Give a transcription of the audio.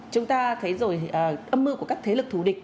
chúng ta thấy rồi âm mưu của các thế lực thù địch